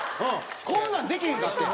こんなんできへんかったやん。